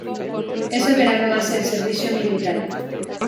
Ese verano hace el servicio militar.